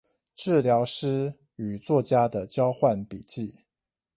治療師與作家的交換筆記